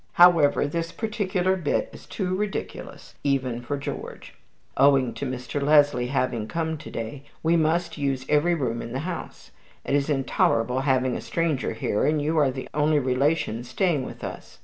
However, this particular bit is too ridiculous even for George. Owing to Mr. Leslie having come to day, we must use every room in the house: it is intolerable having a stranger here, and you are the only relation staying with us.